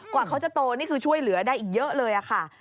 กว่าเขาจะโตนี่คือช่วยเหลือได้อีกเยอะเลยค่ะ